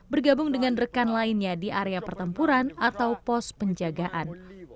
bergabung dengan rekan lainnya di area pertempuran atau pos penjagaan